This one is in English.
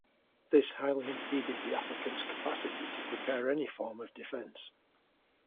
This highly impeded the applicant's capacity to prepare any form of defense.